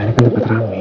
ini kan di petrami